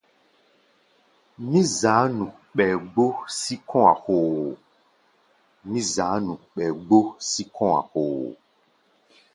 Mí za̧á̧ nu ɓɛɛ gbó sí kɔ̧́-a̧ hoo.